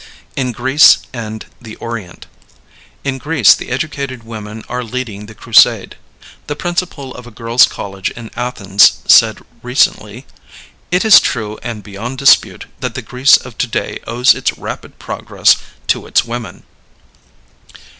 IN GREECE AND THE ORIENT. In Greece the educated women are leading the crusade. The principal of a girls' college in Athens said recently: "It is true and beyond dispute that the Greece of to day owes its rapid progress to its women."